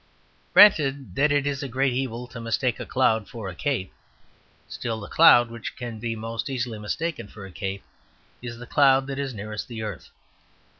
Granted that it is a great evil to mistake a cloud for a cape; still, the cloud, which can be most easily mistaken for a cape, is the cloud that is nearest the earth.